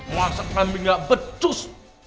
masak kambing gak becus